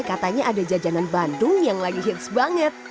katanya ada jajanan bandung yang lagi hits banget